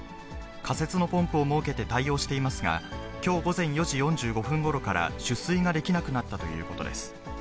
仮説のポンプを設けて対応していますが、きょう午前４時４５分ごろから、取水ができなくなったということです。